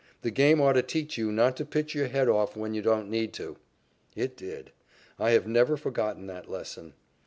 The game ought to teach you not to pitch your head off when you don't need to." It did. I have never forgotten that lesson.